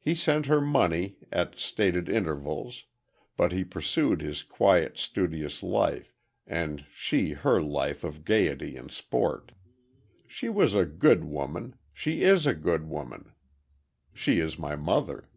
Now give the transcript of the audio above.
He sent her money at stated intervals but he pursued his quiet, studious life, and she her life of gayety and sport. She was a good woman—she is a good woman—she is my mother."